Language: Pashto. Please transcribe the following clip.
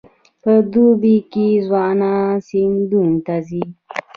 په دوبي کې ځوانان سیندونو ته ځي.